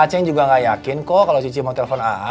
aa cing juga gak yakin kok kalo cici mau telepon aa